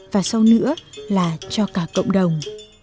và sau nữa là cho cả cộng đồng